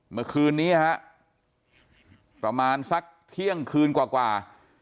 เมื่อคืนนี้ฮะประมาณสักเที่ยงคืนกว่า